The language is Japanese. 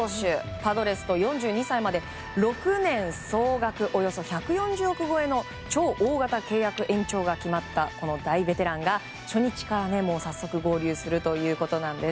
パドレスと４２歳まで６年、総額１４０億円超えの超大型契約延長が決まった大ベテランが初日から、早速合流するということなんです。